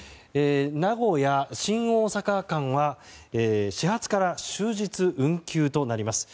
名古屋新大阪間は始発から終日運休となります。